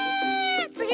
つぎ。